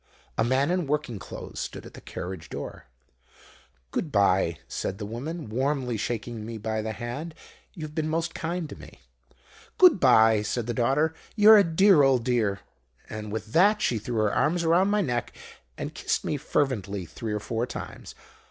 "A man in working clothes stood at the carriage door. "'Good bye,' said the woman, warmly shaking me by the hand; 'you have been most kind to me.' "'Good bye,' said the daughter; 'you're a dear old dear!' "And with that she threw her arms round my neck and kissed me fervently three or four times.